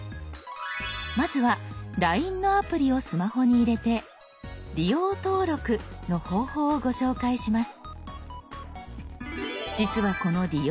まずは「ＬＩＮＥ」のアプリをスマホに入れて「利用登録」の方法をご紹介します。